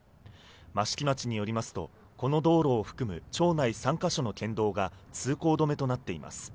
益城町によりますと、この道路を含む町内３か所の県道が通行止めとなっています。